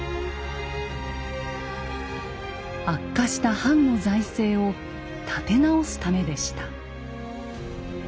悪化した藩の財政を立て直すためでした。